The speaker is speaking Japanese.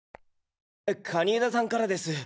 蟹江田さんからです。